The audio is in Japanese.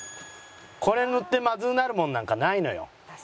これ塗ってまずうなるもんなんかないのよ。